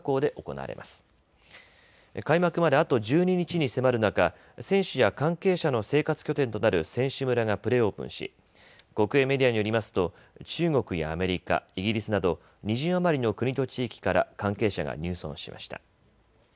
開幕まであと１２日に迫る中、選手や関係者の生活拠点となる選手村がプレオープンし国営メディアによりますと中国やアメリカ、イギリスなど２０余りの国と地域から関係者が入村しました。